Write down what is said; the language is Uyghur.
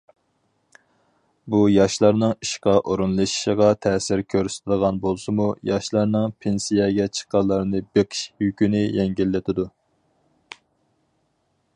بۇ ياشلارنىڭ ئىشقا ئورۇنلىشىشىغا تەسىر كۆرسىتىدىغان بولسىمۇ، ياشلارنىڭ پېنسىيەگە چىققانلارنى بېقىش يۈكىنى يەڭگىللىتىدۇ.